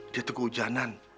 dia tuh hujanan